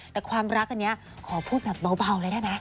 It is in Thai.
แต่ความรักอันนี้ขอพูดแบบเบาเลยได้ไหม